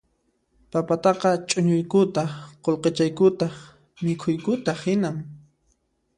Papataqa chuñuykutaq qullqichaykutaq mikhuykutaq hinan